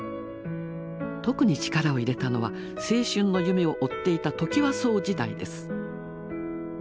特に力を入れたのは青春の夢を追っていたトキワ荘時代です。